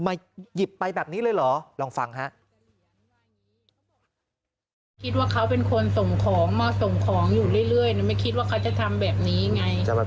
หยิบไปแบบนี้เลยเหรอลองฟังฮะ